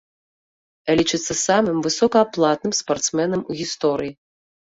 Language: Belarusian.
Лічыцца самым высокааплатным спартсменам у гісторыі.